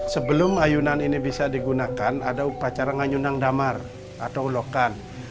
sebelum ayunan ini bisa digunakan ada upacara ngayunang damar atau ulokan